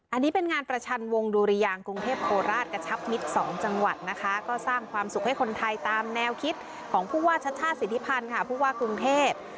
อันนี้เป็นงานประชันวงดุริยางกรุงเทพโคราชกระชับมิตร๒จังหวัดนะคะก็สร้างความสุขให้คนไทยตามแนวคิดของผู้ว่าชัชชาติสิทธิพันธ์ค่ะผู้ว่ากรุงเทพ